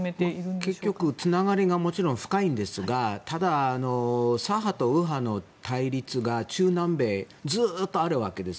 結局、つながりがもちろん深いんですがただ、左派と右派の対立が中南米、ずっとあるわけです。